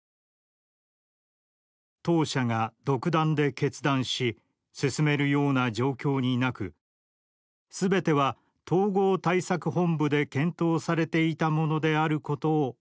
「当社が独断で決断し進めるような状況になく全ては統合対策本部で検討されていたものであることをご理解願います」。